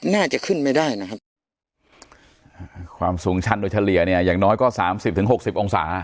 น่าจะขึ้นไม่ได้นะครับอ่าความสูงชันโดยเฉลี่ยเนี่ยอย่างน้อยก็สามสิบถึงหกสิบองศา